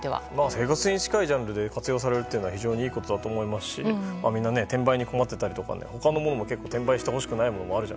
生活に近いジャンルで活用されるのはいいことだと思いますしみんな転売に困っていたり他のものでも結構転売してほしくないものもあるので。